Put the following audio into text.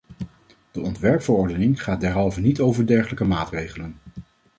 De ontwerpverordening gaat derhalve niet over dergelijke maatregelen.